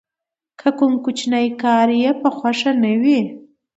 که کوم کوچنی کارګر یې په خوښه نه وي